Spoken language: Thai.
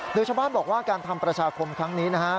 โดยชาวบ้านบอกว่าการทำประชาคมครั้งนี้นะฮะ